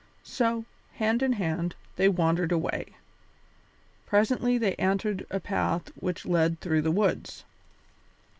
So, hand in hand, they wandered away. Presently they entered a path which led through the woods.